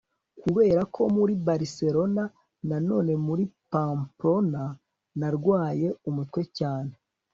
kuberako muri barcelona na none muri pamplona, narwaye umutwe cyane